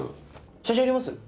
写真あります？